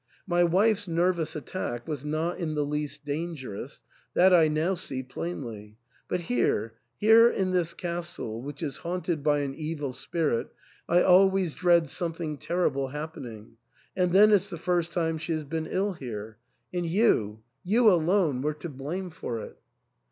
My wife's nervous attack was not in the least dangerous ; that I now see plainly. But here — here in this castle, which is haunted by an evil spirit, I always dread something terrible happening ; and then it's the first time she has been ill here. And you — you THE ENTAIL. 265 alone were to blame for it."